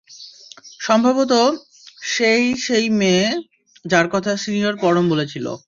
সম্ভবত, সে-ই সেই মেয়ে যার কথা সিনিয়র পরম বলেছিল।